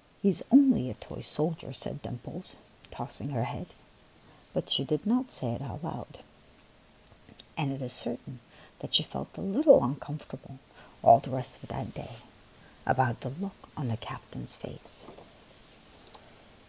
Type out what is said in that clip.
'' He is only a toy soldier," said Dimples, tossing her head ; but she did not say it aloud, and it is certain that she felt a little uncom fortable, all the rest of that day, about the look on the captain s face.